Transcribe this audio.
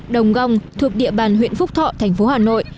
đồng gong thuộc địa bàn huyện phúc thọ thành phố hà nội